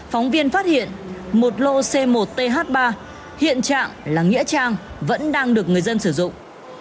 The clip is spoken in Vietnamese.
phóng viên phát hiện một lô c một th ba hiện trạng là nghĩa trang vẫn đang được người dân sử dụng